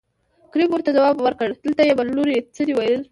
کريم ورته ځواب ورکړ دلته يم لورې څه دې وويل.